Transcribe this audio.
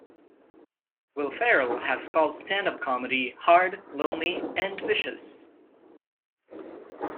Will Ferrell has called stand-up comedy "hard, lonely and vicious".